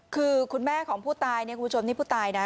คือคุณแม่ของผู้ตายเนี่ยคุณผู้ชมนี่ผู้ตายนะ